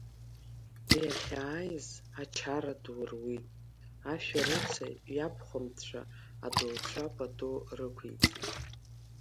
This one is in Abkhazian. Иахьааиз, ачара ду руит, ашәарыцаҩ иабхәындцәа адауцәа пату рықәиҵеит.